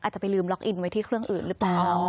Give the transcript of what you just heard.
อาจจะไปลืมล็อกอินไว้ที่เครื่องอื่นหรือเปล่า